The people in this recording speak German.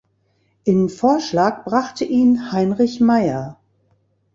In Vorschlag brachte ihn Heinrich Meyer.